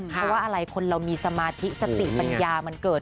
เพราะว่าอะไรคนเรามีสมาธิสติปัญญามันเกิด